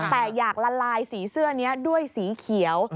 แต่อยากละลายสีเสื้อนี้ด้วยสีเขียว